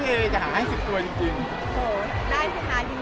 พี่เอ็มเค้าเป็นระบองโรงงานหรือเปลี่ยนไงครับ